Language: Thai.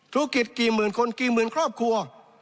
ธุรกิจกี่หมื่นคนกี่หมื่นครอบครัว